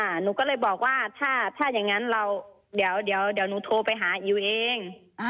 หนูก็เลยบอกว่าถ้าอย่างงั้นเดี๋ยวหนูโทรไปหาอิ๋วเอง